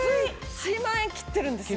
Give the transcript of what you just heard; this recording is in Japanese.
１万円切ってるんですね。